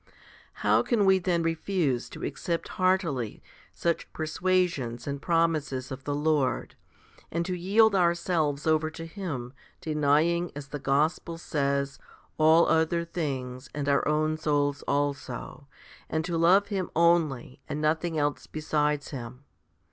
1 8. How can we then refuse to accept heartily such persuasions and promises of the Lord, and to yield our selves over to Him, denying, as the Gospel says, all other things and our own souls also, 2 and to love Him only and nothing else besides Him